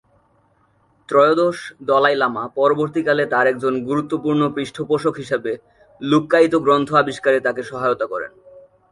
ত্রয়োদশ দলাই লামা পরবর্তীকালে তার একজন গুরুত্বপূর্ণ পৃষ্ঠপোষক হিসেবে লুক্কায়িত গ্রন্থ আবিষ্কারে তাকে সহায়তা করেন।